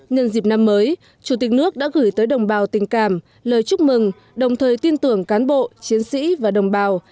nhân dịp năm mới chủ tịch nước đã gửi tới đồng bào tình cảm lời chúc mừng đồng thời tin tưởng cán bộ chiến sĩ và đồng bào